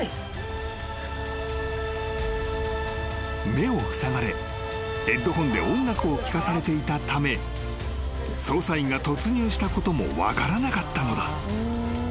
［目をふさがれヘッドホンで音楽を聞かされていたため捜査員が突入したことも分からなかったのだ］